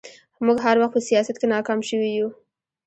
موږ هر وخت په سياست کې ناکام شوي يو